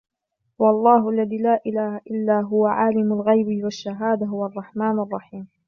هو الله الذي لا إله إلا هو عالم الغيب والشهادة هو الرحمن الرحيم